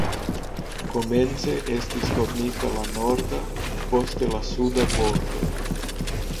Komence estis formita la norda, poste la suda bordo.